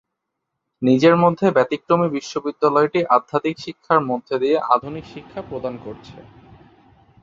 নিজের মধ্যে ব্যতিক্রমী বিশ্ববিদ্যালয়টি আধ্যাত্মিক শিক্ষার মধ্য দিয়ে আধুনিক শিক্ষা প্রদান করছে।